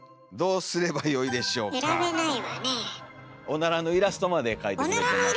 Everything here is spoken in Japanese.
おならのイラストまで描いてくれてます。